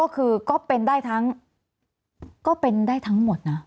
ก็เป็นได้ทั้งหมดนะ